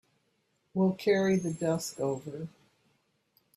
We'll carry the desk over.